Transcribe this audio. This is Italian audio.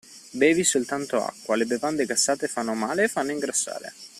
Bevi soltanto acqua, le bevande gassate fanno male e fanno ingrassare.